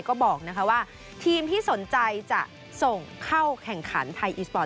ก็บอกว่าทีมที่สนใจจะส่งเข้าแข่งขันไทยอีสปอร์ต